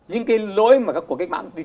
những cái lỗi mà các cuộc cách mạng